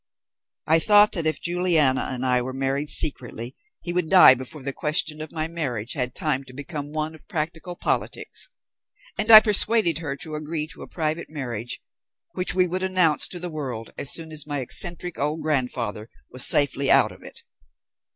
I thought that if Juliana and I were married secretly he would die before the question of my marriage had time to become one of practical politics; and I persuaded her to agree to a private marriage, which we would announce to the world as soon as my eccentric old grandfather was safely out of it.